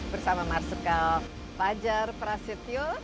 bersama marsikal fajar prasetya